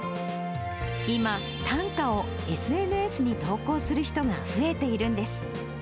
今、短歌をＳＮＳに投稿する人が増えているんです。